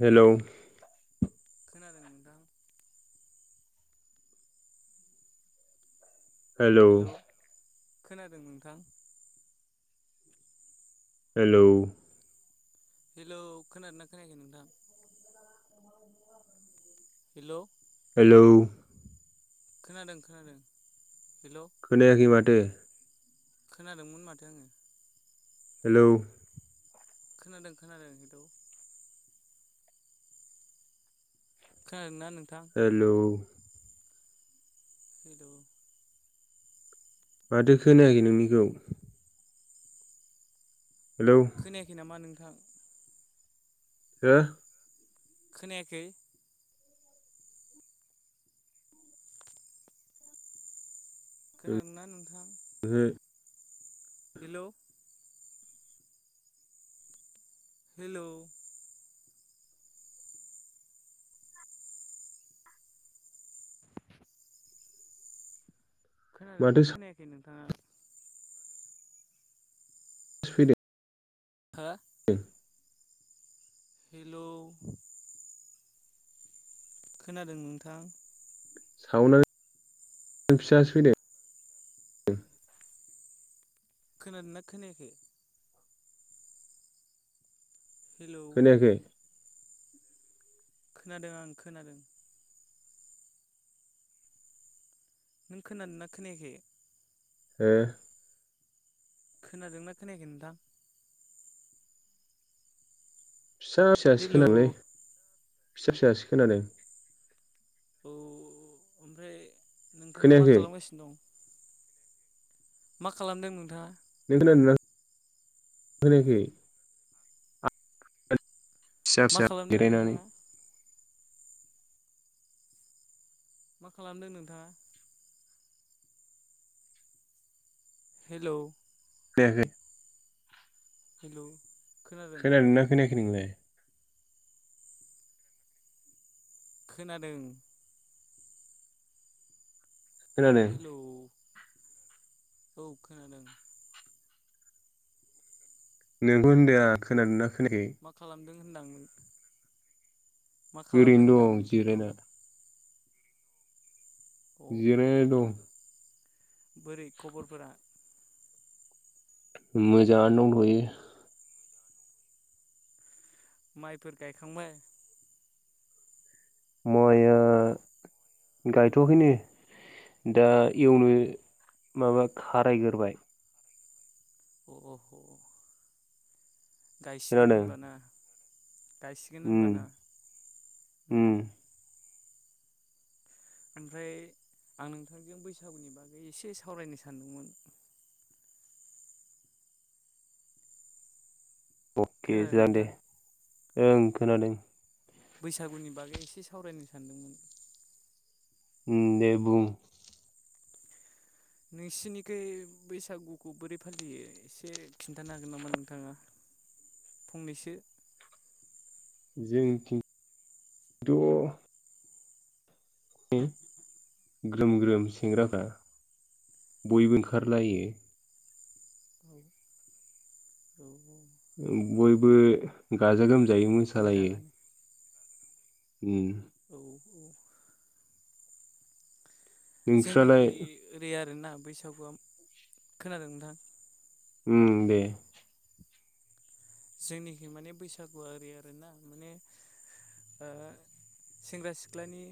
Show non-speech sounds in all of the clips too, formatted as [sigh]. Hello. खोनादों नोथां? Hello. खोनादों नोंथां? हेलौ। हेलौ खोनादोंना खोनायाखै नोंथां। हेलौ। हेलौ। खोनादों खोनादों। हेलौ खोनायाखै मा? थो। खोनादोंमोन माथो आङो। हेलौ। खोनादों खोनादों हेलौ। खोनादोंना नों। हेलौ। हेलौ माथो खोनायाखै नोंनिखौ हेलौ खोनायाखै नामा नोंथां हो खोनायाखै खोनादोंना नोंथां? ओहो हेलौ हेलौ खोनादों ना माथो खोनायाखै नों [inaudible] [unintelligible] हो अम हेलौ [inaudible] खोनादों नोंथां सावना फिसासो फैदों खोनादोंना खोनायाखै हेलौ खोनायाखै खोनादों आं खोनादों नों खोनादोंना खोनायाखै हो खोनादोंना खोनायाखै नोंथां फिसा हेलौ फिसासोखोनादोंलै फिसा फिसासो खोनादों। औ ओमफ्राय नोंथाङा मा खोनायाखै खालामगासिनो दं मा खालामदों नोंथाङा [unintelligible] खोनायाखै फिसा मा फिसा खालामदों [unintelligible] नोंथाङा मा खालामदों नोंथाङा हेलौ। दे दे। [unintelligible] हेलौ खोनादों खोनादोंना नोंथां खोनायाखै नोंलाय। खोनादों। खोनादों हेलौ। औ खोनादों। नोंबो होनदो आं खोनादोंना खोनायाखै मा खालाम दों होनदांमोन। ओरैनो दं जिरायना। अह जिरायना दं। बोरै खबरफोरा? मोजाङानो दंथयो। माइफोर गायखांबाय? माइआ गायथाखैनो दा एवनो माबा खारायग्रोबाय। अह। गायसिगोन खोनादों होनबाना। गायसिगोन उम होनबाना उम। ओमफ्राय आं नोंथांजों बैसागुनि बागै एसे सावरायनो सानदोंमोन। अके खोनादों जागोन दे नोंथां? ओं खोनादों। बैसागुनि बागै एसे सावरायनो सानदोंमोन। ओं दे बुं। नोंसिनिखौ बैसागुखौ बोरै फालियो एसे खिन्थानो हागोन नामा नोंथाङा फंनैसो। जोंनिथिं थ ग्रोम ग्रोम सेंग्राफ्रा बयबो ओंखारलायो। औ औ। बयबो गाजा गोमजा। जायै मोसालायो। मोजाङानो उम औ औ। नोंस्रालाय जोंनिखौ ओरै आरोना। बैसागुआ खोनादों नोंथां। उम दे। जोंनिखि माने बैसागु आरि आरोना माने ओ सेंग्रा सिख्लानि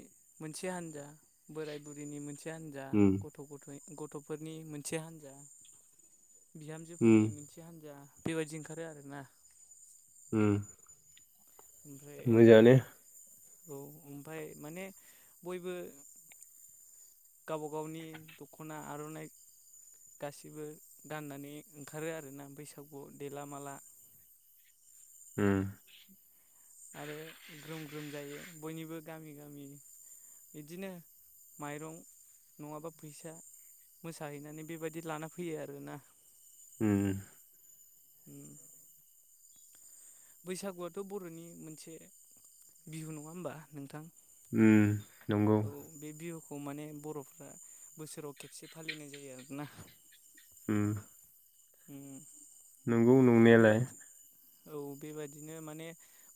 मोनसे हान्जा बोराय बुरैनि मोनसे। से हानजा उम गथ गथाय गथ फोरनि मोनसे हान्जा। उम बिहामजोफोरनि मोनसे हान्जा बेबायदि ओंखारो आरोना होम ओमफ्राय मोजाङानो औ ओमफाय माने बयबो गावबा गावनि दख'ना आर'नाइ गासिबो गाननानै ओंखारो आरोना बैसागु देला माला होम आरो ग्रोम ग्रोम जायो बयनिबो गामि गामि बिदिनो माइरं नङाबा फैसा मोसाहैनानै बेबायाददि लाना फैयो आरोना। ओम [inaudible] बैसागुआथ' बर'नि मोनसे बिहु नङा होमबा नोंथां। नंगौ खौ माने बर'फ्रा बोसोराव खेबसे फालिनाय जायो आरोना। ओम। होम नंगौ नंनायालाय। औ बेबादिनो माने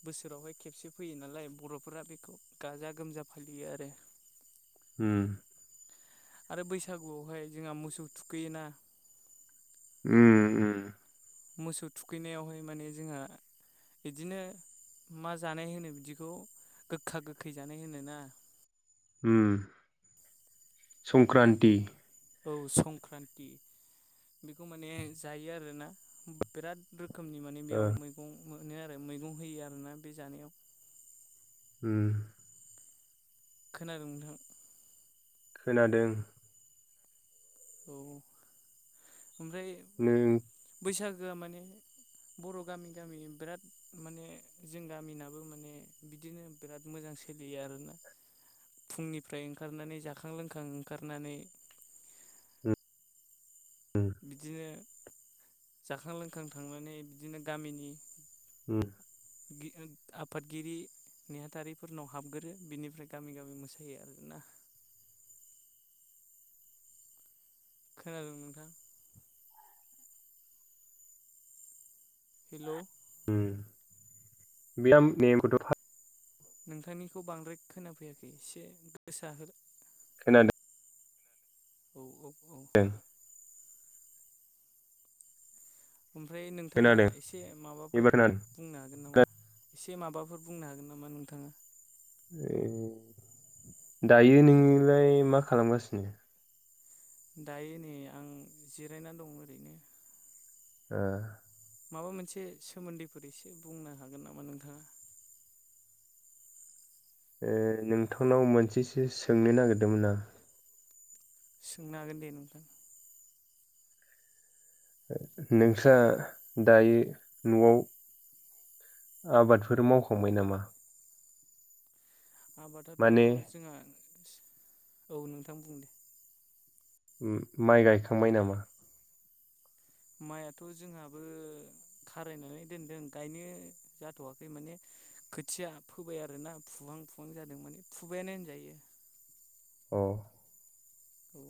बोसोरावहाय खेबसे फैयो नालाय बर'फोरा बेखौ गाजा गोमजा फालियो आरो होम। आरो बैसागुआवहाय जोंहा मोसौ थुखैयोना ओम ओम। मोसौ थुखैनायावहाय माने जोंहा बिदिनो मा जानाय होनो बिदिखौ गोखा गोखै जानाय होनो ना उम संक्रान्ति औ संक्रान्ति बेखौ माने जायो आरोना बिराद रो रोखोमनि माने ओ बेयाव मैगं मोनो आरो मैगं होयो आरोना बे जानायाव ओम। खोनादों नोंथां? खोनादों। औ। ओमफ्राय नों उम बैसागु जोंहा माने बर' गामि गामि बिराद माने जों गामिनाबो माने बिदिनो बिराद मोजां सोलियो आरोना फुंनिफ्राय ओंखारनानै जाखां लोंखां ओंखारनानै। बिदिनो जाखां लोंखां थांनानै बिदिनो गामिनि होम। आफादगिरि नेहाथारिफोरनाव हाबग्रोयो बिनिफ्राय गामि गामि मोसायो आरोना। खोनादों नोंथां? हेल' उम [unintelligible] नोंथांनिखौ बांद्राय खोनाफैयाखै एसे गोसा होन। खोनादों। औ औ। दों ओमफ्राय नोंथाङा खोनादों एसे माबाफोर एबार बुंनो हागोन नामा? एसे माबाफोर बुंनो हागोन नामा नोंथाङा? खोनादों आमफ्राय मा खालामगासिनो? दायो नै आं जिरायना दं ओरैनो। ओ। माबा मोनसे सोमोन्दैफोर एसे बुंनो हागोन नामा नोंथाङा? ओ नोंथांनाव मोनसेसो सोंनो नागिरदोंमोन आं। सोंनो हागोन दे नोंथां। नोंस्रा दायो नआव आबादफोर मावखांबाय नामा? आबादाथ माने जोंहा [unintelligible] औ नोंथां बुं दे। माइ गायखांबाय नामा? माइआथ' जोंहाबो खारायनानै दोनदों गायनो जाथ वाखै माने खोथिया फोबाय आरोना फुहां फुहां जादों माने फुबायानो होनजायो। अ। औ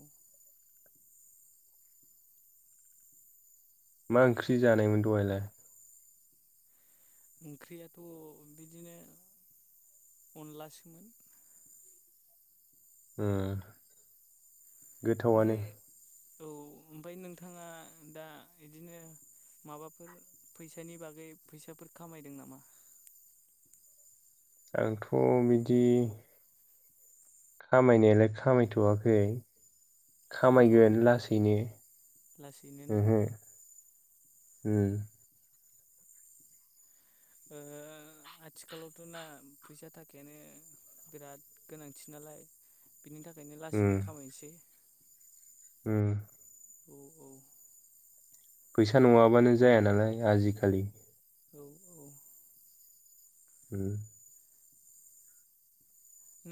मा ओंख्रि जानायमोन दहायलाय? ओंख्रियाथ' बिदिनो अनलासोमोन। ओ गोथावआनो। ओमफ्राय औ ओमफाय नोंथाङा दा बिदिनो माबाफोर फैसानि बागै फैसाफोर खामायदों नामा? आंथ' बिदि, खामायनायालाय खामायथवाखै। खामायगोन खालामथ'वाखैना लासैनो लासैनो ना ओहो। ओम। ओ-आथिखालावथ ना फैसा थाखायानो बिराद गोनांथि नालाय। बिनि थाखायनो लासैनो खामायनोसै। ओम। औ औ फैसा नङाबानो जाया नालाय आजिखालि। औ औ उम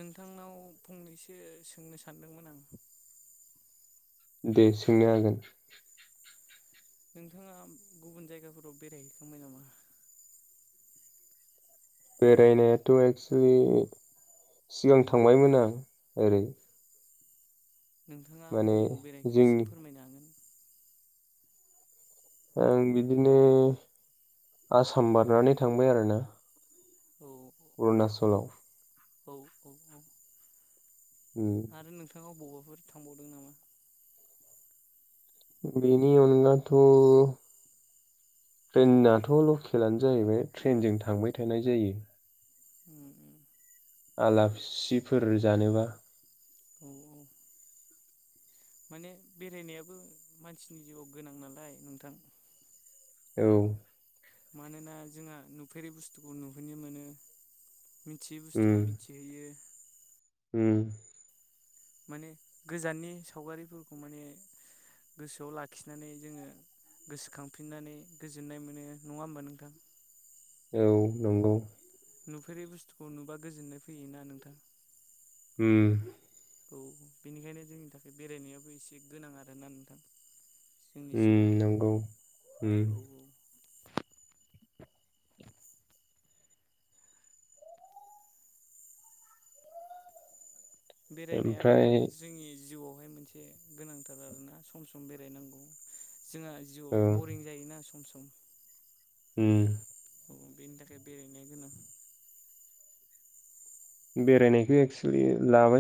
नोंथांनाव फंनैसो सोंनो सानदोंमोन आं। दे सोंनो हागोन। नोंथाङा गुबुन जायगाफोराव बेरायहैखांबाय नामा? बेरायनायाथ' एक्सुलि सिगां थांबायमोन आं ओरै। नोंथाङा माने अबाव अबा बेरायखो एसे जोंनि फोरमायनो हागोन? आं बिदिनो आसाम बारनानै थांबाय आरोना। औ औ अरुणाचलाव। औ औ औ उम आरो नोंथांङा अबावबा बाफोर थांबावदों नामा? बेनि अनगाथ' ट्रेनाथ लकेलानो जाहैबाय ट्रेनजों थांबाय थानाय जायो। उम उम आलासिफोर जानोबा। ओम ओम। माने बेरायनायाबो मानसिनि जिउआव गोनां नालाय नोंथां। औ मानोना जोंहा नुफेरै बुस्थुखौ नुहोनैनो मोनो। मिथियै उम बुस्थुखौ मिथिहैयो। उम माने गोजाननि सावगारिफोरखौ माने गोसोआव लाखिनानै जोङो गोसोखांफिननानै गोजोननाय मोनो नङा होमबा नोंथां? औ नंगौ। नुफेरै बुस्थुखौ नुबा गोजोननाय फैयोना नोंथां। उम। औ बेनिखायनो जोंनि थाखाय बेरायनायाबो एसे गोनां आर ना नोंथां। जोंनि उम जिउआव नंगौ। औ औ बेरायनायाबो ओमफ्राय जोंनि जिउआव बेवहाय मोनसे गोनांथार आरोना सम सम बेरायनांगौ जोंहा जिउआव औ बरिं जायोना सम सम [inaudible] उम। औ बेनि थाखाय बेरायनाया गोनां। बेरायनायखौ एक्सलि लाबाय